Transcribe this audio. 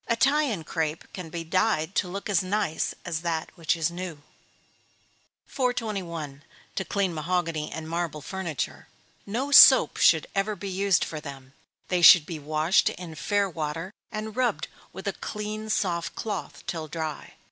Italian crape can be dyed to look as nice as that which is new. 421. To clean Mahogany and Marble Furniture. No soap should ever be used for them they should be washed in fair water, and rubbed with a clean, soft cloth, till dry.